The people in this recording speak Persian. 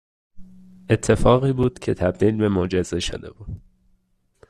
اتفاقی بود که تبدیل به معجزه شده بود